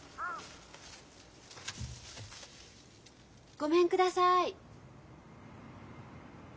ごめんください。